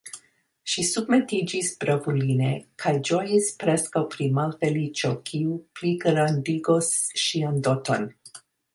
Ŝi submetiĝis bravuline, kaj ĝojis preskaŭ pri malfeliĉo, kiu pligrandigos ŝian doton.